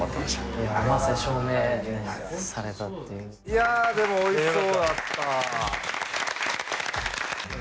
いやぁでもおいしそうだった。